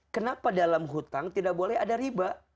kenapa dalam hutang tidak boleh ada riba